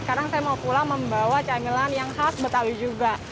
sekarang saya mau pulang membawa camilan yang khas betawi juga